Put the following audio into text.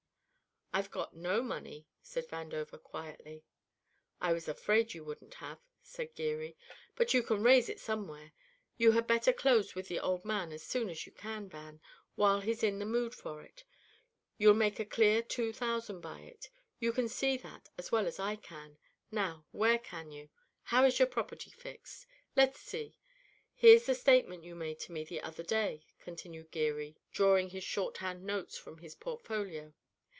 "I've got no money," said Vandover quietly. "I was afraid you wouldn't have," said Geary, "but you can raise it somewhere. You had better close with the old man as soon as you can, Van, while he's in the mood for it; you'll make a clear two thousand by it. You can see that as well as I can. Now, where can you how is your property fixed? Let's see! Here's the statement you made to me the other day," continued Geary, drawing his shorthand notes from his portfolio.